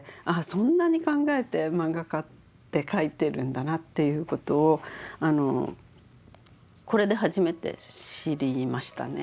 そんなに考えてマンガ家って描いてるんだなという事をこれで初めて知りましたね。